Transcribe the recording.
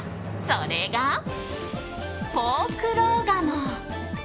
それが、ポークローガモ。